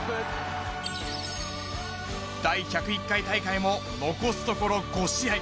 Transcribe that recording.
第１０１回大会も残すところ５試合。